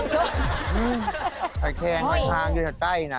หอยแครงหอยทางอยู่จากใต้น่ะ